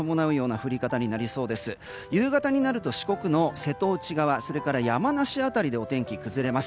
夕方になると四国の瀬戸内側それから山梨辺りでお天気は崩れます。